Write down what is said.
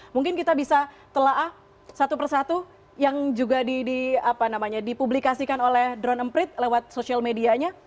mungkin kita bisa telah satu persatu yang juga dipublikasikan oleh drone emprit lewat sosial medianya